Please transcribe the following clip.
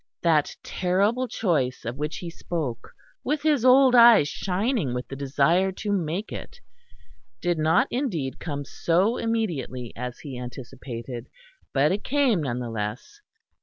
That terrible choice of which he spoke, with his old eyes shining with the desire to make it, did not indeed come so immediately as he anticipated; but it came none the less.